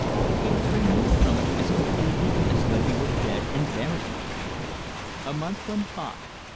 He was removed from it as completely as though he were dead and buried. A month went by.